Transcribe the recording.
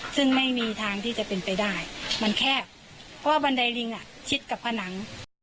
ซึ่งไม่มีทางที่จะเป็นไปได้มันแคบเพราะว่าบันไดลิงชิดกับผนัง